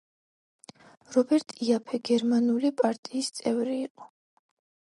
რობერტ იაფე გერმანული პარტიის წევრი იყო.